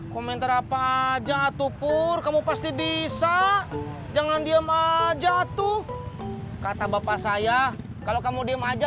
komentar apa jahat tupur kamu pasti bisa jangan diem aja tuh kata bapak saya kalau kamu diem aja